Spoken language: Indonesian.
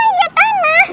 apa ya tanah